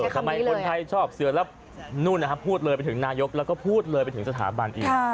ทำไมคนไทยชอบเสือแล้วนู่นพูดเลยไปถึงนายกแล้วก็พูดเลยไปถึงสถาบันอีก